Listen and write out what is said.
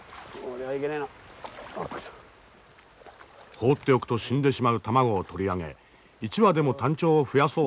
放っておくと死んでしまう卵を取り上げ一羽でもタンチョウを増やそう。